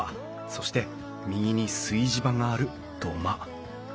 そして右に炊事場がある土間。